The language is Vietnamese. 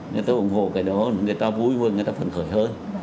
người ta ủng hộ cái đó người ta vui hơn người ta phân khởi hơn